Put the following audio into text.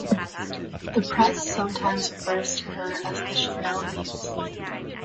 The press sometimes refers to her as "The Chanel Muse".